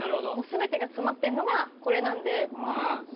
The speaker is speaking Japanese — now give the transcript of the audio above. もう全てが詰まってるのがこれなんで。